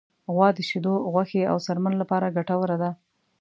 غوا د شیدو، غوښې، او څرمن لپاره ګټوره ده.